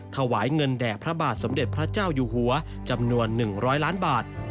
ถวายเงินแด่พระบาทสมเด็จพระเจ้าอยู่หัวจำนวน๑๐๐ล้านบาท